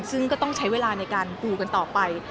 ซึ่งก็ต้องใช้เวลาในการปูกันต่อไป